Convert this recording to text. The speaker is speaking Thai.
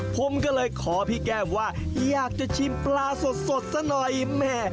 ผมก็เลยขอพี่แก้มว่าอยากจะชิมปลาสดซะหน่อยแม่